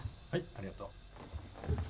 ありがとう。